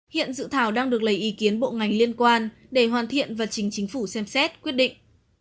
hiện dự thảo đang được lấy ý kiến bộ ngành liên quan để hoàn thiện và chính chính phủ xem xét quyết định